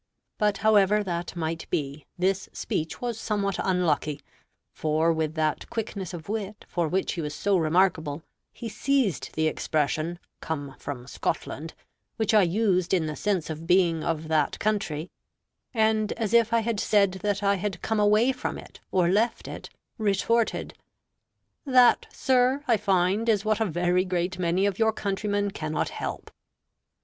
But however that might be, this speech was somewhat unlucky; for with that quickness of wit for which he was so remarkable, he seized the expression "come from Scotland," which I used in the sense of being of that country; and as if I had said that I had come away from it, or left it, retorted, "That, sir, I find, is what a very great many of your countrymen cannot help."